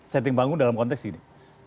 setting panggung dalam konteks gini